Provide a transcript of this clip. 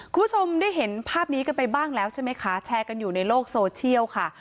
คุณผู้ชมได้เห็นภาพนี้กันไปบ้างแล้วใช่ไหมคะแชร์กันอยู่ในโลกโซเชียลค่ะ